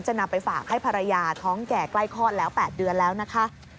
นำไปฝากให้ภรรยาท้องแก่ใกล้คลอดแล้ว๘เดือนแล้วนะคะ